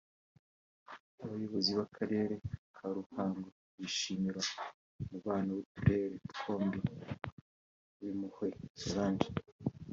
Abayobozi b’Akarere ka Ruhango bishimira umubano w’uturere twombi Uwimpuhwe Solange